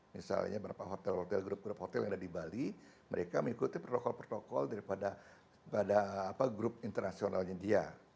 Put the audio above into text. misalnya beberapa hotel hotel grup grup hotel yang ada di bali mereka mengikuti protokol protokol daripada grup internasionalnya dia